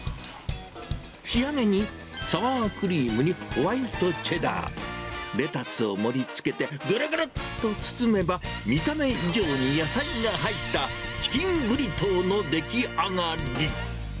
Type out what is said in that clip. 仕上げにサワークリームにホワイトチェダー、レタスを盛りつけて、ぐるぐるっと包めば、見た目以上に野菜が入ったチキンブリトーの出来上がり。